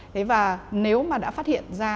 thế và nếu mà đã phát hiện ra